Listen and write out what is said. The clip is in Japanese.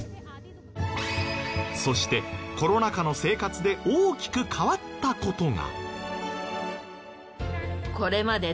そしてコロナ禍の生活で大きく変わった事が。